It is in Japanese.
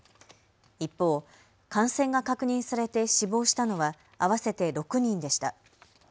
一方、感染が確認されて死亡したのは合わせて６人でした。